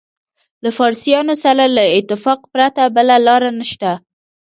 د فارسیانو سره له اتفاق پرته بله لاره نشته.